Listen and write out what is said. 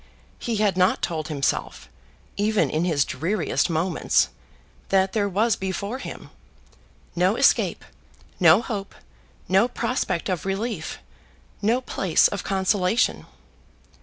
He had not told himself, even in his dreariest moments, that there was before him "no escape, no hope, no prospect of relief, no place of consolation."